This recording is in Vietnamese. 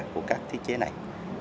của các thiết chế này